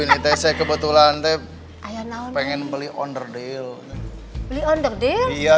ini saya kebetulan pengen beli owner deal